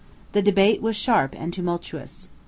The debate was sharp and tumultuous.